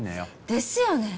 ですよね。